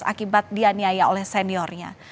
akibat dianiaya oleh seniornya